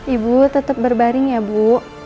ibu tetap berbaring ya bu